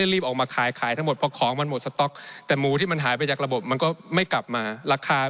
รีบออกมาขายทั้งหมดเพราะของมันหมดสต๊อก